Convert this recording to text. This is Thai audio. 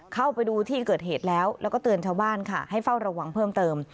เข้าไปดูที่เกิดเหตุแล้วแล้วก็เตือนชาวบ้านค่ะให้เฝ้าระวังเพิ่มเติม